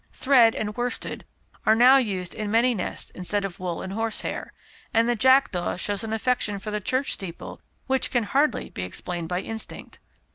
Thread and worsted are now used in many nests instead of wool and horsehair, and the jackdaw shows an affection for the church steeple which can hardly be explained by instinct.